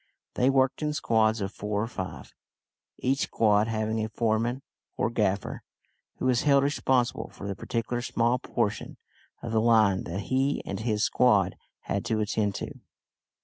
They worked in squads of four or five each squad having a foreman or gaffer, who was held responsible for the particular small portion of the line that he and his squad had to attend to.